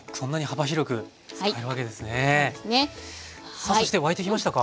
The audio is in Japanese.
さあそして沸いてきましたか？